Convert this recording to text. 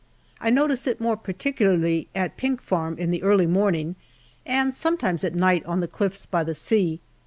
I notice it more particularly at Pink Farm in the early morning, and sometimes at night on the cliffs by the sea.